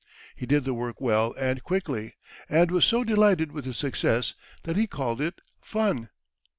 He did the work well and quickly, and was so delighted with his success that he called it "fun."